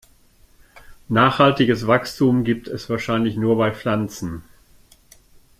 Nachhaltiges Wachstum gibt es wahrscheinlich nur bei Pflanzen.